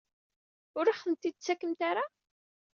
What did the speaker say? Ur aɣ-tent-id-tettakemt ara?